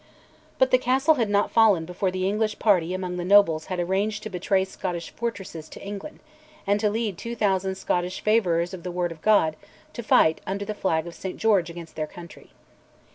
But the castle had not fallen before the English party among the nobles had arranged to betray Scottish fortresses to England; and to lead 2000 Scottish "favourers of the Word of God" to fight under the flag of St George against their country.